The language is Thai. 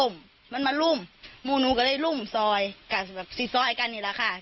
ข้ามั้นซึ่งหลังวันเสียงหน่อยค่ะ